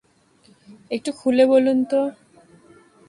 একটু খুলে বলুন তো।